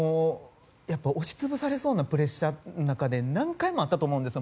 押し潰されそうなプレッシャーって何回もあったと思うんです。